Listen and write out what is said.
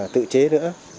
tự chế nữa